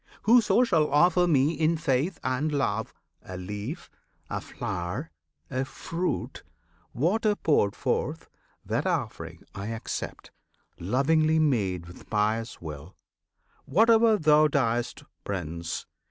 Whoso shall offer Me in faith and love A leaf, a flower, a fruit, water poured forth, That offering I accept, lovingly made With pious will. Whate'er thou doest, Prince!